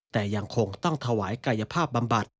แต่ยังคงต้องถวายกายภาพบำบัด